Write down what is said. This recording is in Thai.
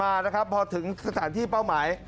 มานะครับพอถึงสถานที่เป้าหมาย